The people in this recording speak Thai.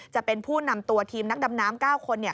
จะเป็นผู้นำตัวทีมนักดำน้ำ๙คน